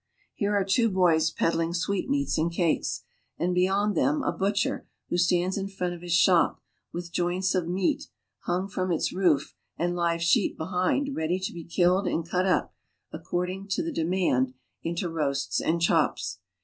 Here are two boys peddling sweet meats and cakes, and beyond them a butcher, who stands in front of his shop, with joints of meat hung from its roof and live sheep behind ready to be killed and cut up, according to the demand, into roasts and chops.